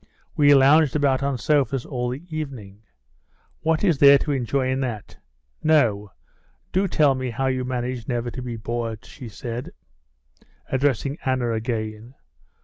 We lounged about on sofas all the evening. What is there to enjoy in that? No; do tell me how you manage never to be bored?" she said, addressing Anna again.